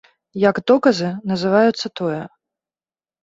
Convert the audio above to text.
Як доказы называецца тое.